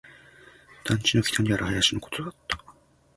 団地の北にある林のことだった